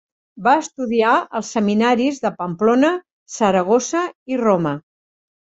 Va estudiar als seminaris de Pamplona, Saragossa i Roma.